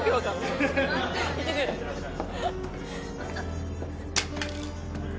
行ってらっしゃい。